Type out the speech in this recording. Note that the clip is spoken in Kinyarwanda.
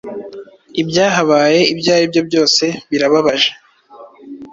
Ibyahabaye ibyaribyo byose birababje